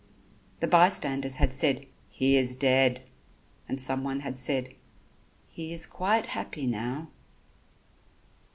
The bystanders had said: "He is dead." And someone had said: "He is quite happy now."